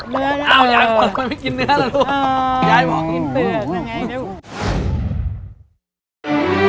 เนื้อแล้วลูกเอ้าอย่างกว่าไม่กินเนื้อแล้วลูกอ๋อยายบอกกินเปลือกนั่งไงนิ้ว